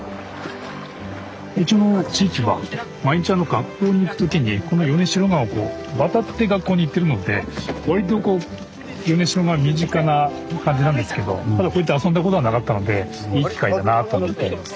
うちの地域は毎日学校に行く時にこの米代川を渡って学校に行ってるので割とこう米代川身近な感じなんですけどただこういった遊んだことはなかったのでいい機会だなと思っています。